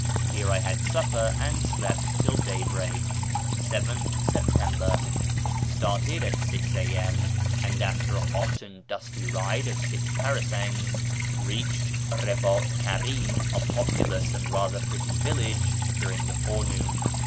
Here I had supper and slept till daybreak. ^tJi September. — Started at 6 a.m., and, after a hot and dusty ride of six parasangs, reached Pdbiit Karim, a populous and rather pretty village, during the forenoon.